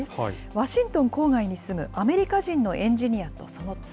ワシントン郊外に住むアメリカ人のエンジニアとその妻。